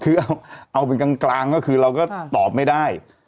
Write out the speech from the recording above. คือเอาเป็นกลางก็คือเราก็ตอบไม่ได้